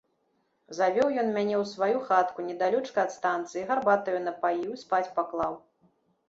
Завёў ён мяне ў сваю хатку, недалёчка ад станцыі, гарбатаю напаіў і спаць паклаў.